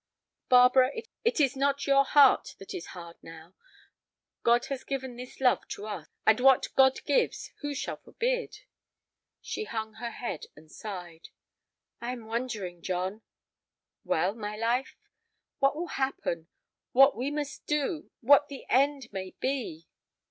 "Barbara, it is not your heart that is hard now. God has given this love to us, and what God gives, who shall forbid?" She hung her head and sighed. "I am wondering, John." "Well, my life?" "What will happen, what we must do—what the end may be."